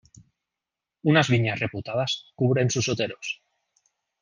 Unas viñas reputadas cubren sus oteros.